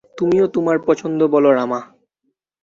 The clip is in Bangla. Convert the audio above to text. তুমিও তোমার পছন্দ বলো, রামা।